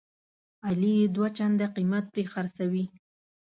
علي یې دوه چنده قیمت پرې خرڅوي.